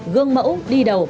gương mẫu đi đầu